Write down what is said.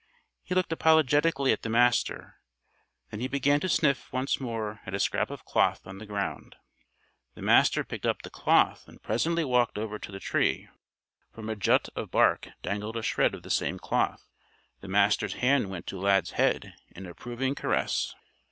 He looked apologetically at the Master. Then he began to sniff once more at a scrap of cloth on the ground. The Master picked up the cloth and presently walked over to the tree. From a jut of bark dangled a shred of the same cloth. The Master's hand went to Lad's head in approving caress.